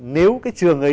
nếu cái trường ấy